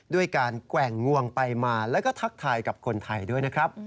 ด้วยการแกว่งงวงไปมาแล้วก็ทักทายกับคนไทยด้วยนะครับ